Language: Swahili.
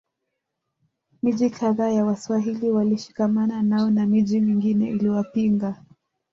Miji kadhaa ya Waswahili walishikamana nao na miji mingine iliwapinga